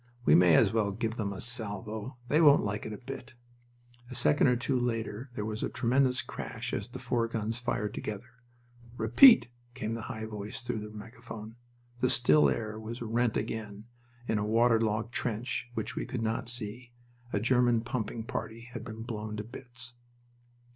"We may as well give them a salvo. They won't like it a bit." A second or two later there was a tremendous crash as the four guns fired together. "Repeat!" came the high voice through the megaphone. The still air was rent again... In a waterlogged trench, which we could not see, a German pumping party had been blown to bits.